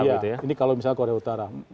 ini kalau misalnya korea utara